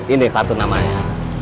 ini satu namanya